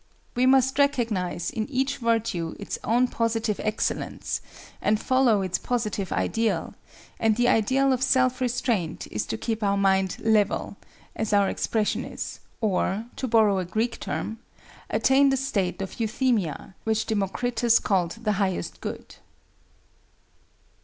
We must recognize in each virtue its own positive excellence and follow its positive ideal, and the ideal of self restraint is to keep our mind level—as our expression is—or, to borrow a Greek term, attain the state of euthymia, which Democritus called the highest good.